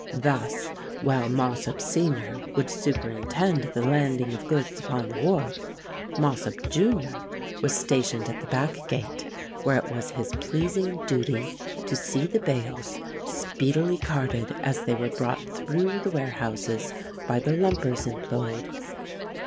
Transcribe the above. Thus, while Mossop senior would superintend the landing of goods upon the wharf, Mossop junior was stationed at the back gate, where it was his pleasing duty to see the bales speedily carted as they were brought through the warehouses by the lumpers employed.